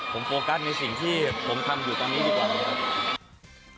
ผมโฟกัสในสิ่งที่ผมทำอยู่ตอนนี้ดีกว่านะครับ